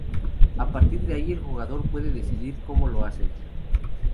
A partir de ahí, el jugador puede decidir cómo lo hacen.